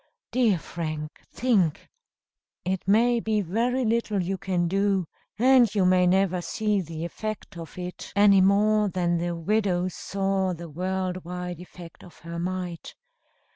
Dear Frank, think! It may be very little you can do and you may never see the effect of it, any more than the widow saw the world wide effect of her mite.